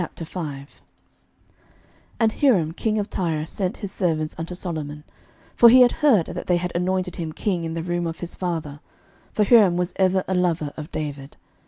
11:005:001 And Hiram king of Tyre sent his servants unto Solomon; for he had heard that they had anointed him king in the room of his father: for Hiram was ever a lover of David.